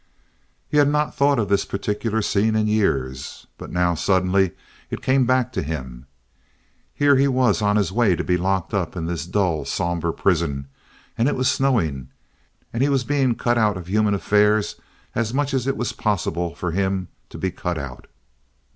He had not thought of this particular scene in years, but now suddenly it came back to him. Here he was on his way to be locked up in this dull, somber prison, and it was snowing, and he was being cut out of human affairs as much as it was possible for him to be cut out.